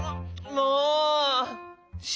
もう。